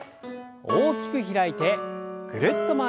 大きく開いてぐるっと回します。